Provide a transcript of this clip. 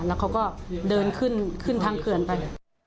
แล้วเขาก็เดินขึ้นทางเขื่อนไป